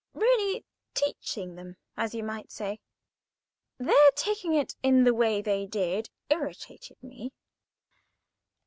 —really teaching them, as you might say. Their taking it in the way they did irritated me.